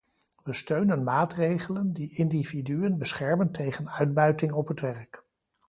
We steunen maatregelen die individuen beschermen tegen uitbuiting op het werk.